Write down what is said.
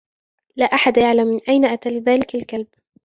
لا أحد يعلم من أين أتى ذلك الكلب.